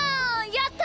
やった！